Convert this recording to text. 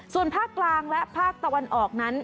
ส่วนภาคกลางและภาคตะวันออกนั้น